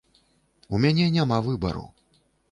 У мяне няма выбару.